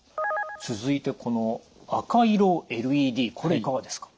続いてこの赤色ＬＥＤこれいかがですか？